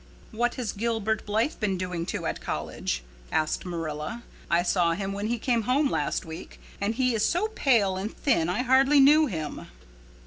"What has Gilbert Blythe been doing to at college?" asked Marilla. "I saw him when he came home last week, and he is so pale and thin I hardly knew him."